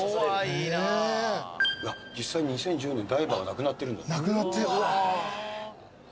実際２０１０年ダイバーが亡くなってるんだ。